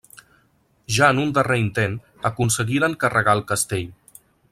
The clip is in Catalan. Ja en un darrer intent aconseguiren carregar el castell.